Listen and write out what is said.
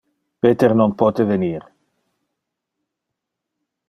Peter non pote venir.